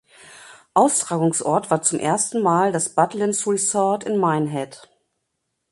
Austragungsort war zum ersten Mal das Butlin’s Resort in Minehead.